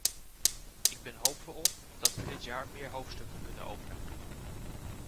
Ik ben hoopvol dat we dit jaar meer hoofdstukken kunnen openen.